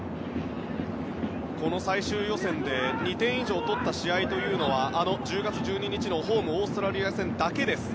この最終予選で２点以上取った試合はあの１０月１２日のホームのオーストラリア戦だけ。